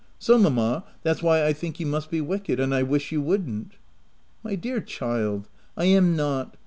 So mamma, that's why I think you must be wicked — and I wish you wouldn't/' "My dear child, I am not.